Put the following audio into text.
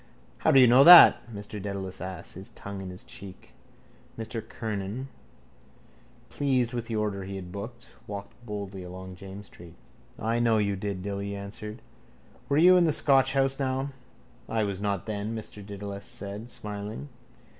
—How do you know that? Mr Dedalus asked, his tongue in his cheek. Mr Kernan, pleased with the order he had booked, walked boldly along James's street. —I know you did, Dilly answered. Were you in the Scotch house now? —I was not, then, Mr Dedalus said, smiling.